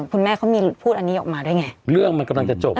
คุณแม่เขามีพูดอันนี้ออกมาด้วยไงเรื่องมันกำลังจะจบ